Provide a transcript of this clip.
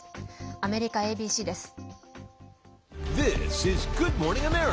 アメリカＡＢＣです。